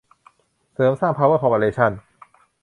เสริมสร้าง พาวเวอร์ คอร์ปอเรชั่น